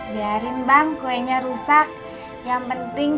biarin bang kuenya rusak yang penting